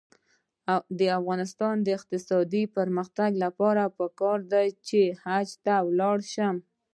د افغانستان د اقتصادي پرمختګ لپاره پکار ده چې حج ته لاړ شو.